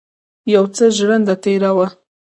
یو څه ژرنده تېره وه.